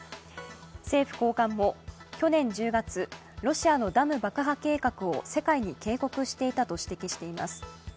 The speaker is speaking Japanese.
政府高官も、去年１０月、ロシアのダム爆破計画を世界に警告していたと指摘しています。